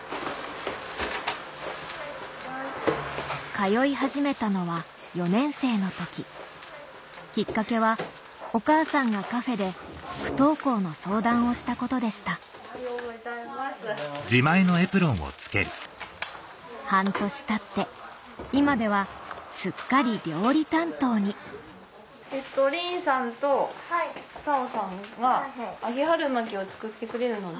通い始めたのは４年生の時きっかけはお母さんがカフェで不登校の相談をしたことでした・おはようございます・・おはようございます・半年たって今ではすっかり料理担当にリンさんとタオさんが揚げ春巻きを作ってくれるので。